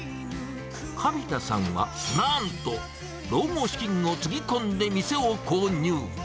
紙田さんはなんと、老後資金をつぎ込んで店を購入。